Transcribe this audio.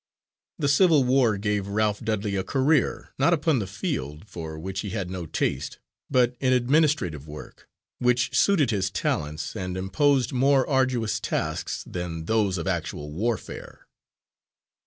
The Civil War gave Ralph Dudley a career, not upon the field, for which he had no taste, but in administrative work, which suited his talents, and imposed more arduous tasks than those of actual warfare.